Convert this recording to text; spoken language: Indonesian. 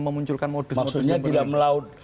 memunculkan modus modusnya tidak melaut